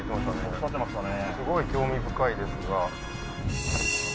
おっしゃってましたね